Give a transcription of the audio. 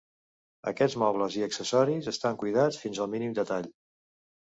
Aquests mobles i accessoris estan cuidats fins al mínim detall.